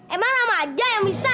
emang sama aja yang bisa